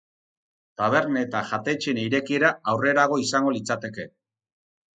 Tabernen eta jatetxeen irekiera aurrerago izango litzateke.